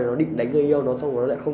chán nản việc cứ suốt ngày phải học